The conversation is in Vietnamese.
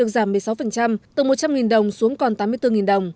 giảm một mươi sáu từ một trăm linh đồng xuống còn tám mươi bốn đồng